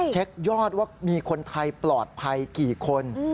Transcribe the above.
เช็คยอดว่ามีคนไทยปลอดภัยกี่คน